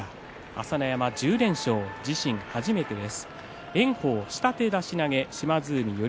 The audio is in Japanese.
朝乃山は１０連勝自身初めてです。